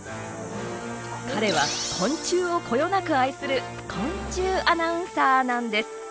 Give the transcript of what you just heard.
彼は昆虫をこよなく愛する昆虫アナウンサーなんです。